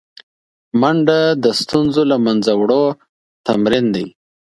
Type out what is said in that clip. منډه د ستونزو له منځه وړو تمرین دی